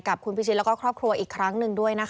กับคุณพิชิตแล้วก็ครอบครัวอีกครั้งหนึ่งด้วยนะคะ